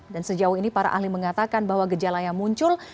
dan sejauh ini para ahli mengatakan bahwa gejala yang muncul